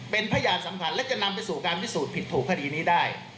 เป็นพยานสำคัญและจะนำไปสู่การพิสูจน์ผิดถูกคดีนี้ได้